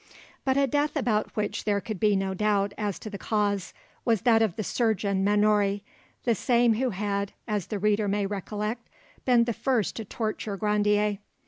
But a death about which there could be no doubt as to the cause was that of the surgeon Mannouri, the same who had, as the reader may recollect, been the first to torture Grandier.